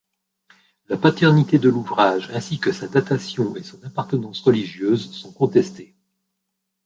La paternité de l'ouvrage, ainsi que sa datation et son appartenance religieuse sont contestées.